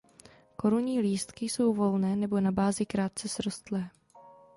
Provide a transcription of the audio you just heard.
Korunní lístky jsou volné nebo na bázi krátce srostlé.